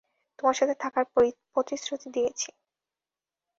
তোমার সাথে থাকার প্রতিশ্রুতি দিয়েছি।